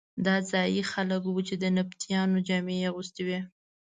دا ځايي خلک وو چې د نبطیانو جامې یې اغوستې وې.